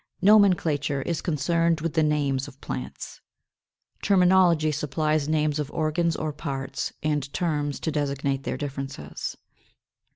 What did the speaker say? Nomenclature is concerned with the names of plants. Terminology supplies names of organs or parts, and terms to designate their differences.